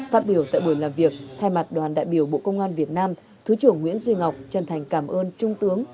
phát biểu tại buổi làm việc thay mặt đoàn đại biểu bộ công an việt nam thứ trưởng nguyễn duy ngọc chân thành cảm ơn trung tướng